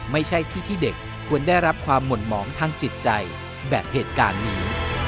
ไม่ใช่ที่ที่เด็กควรได้รับความหม่นหมองทางจิตใจแบบเหตุการณ์นี้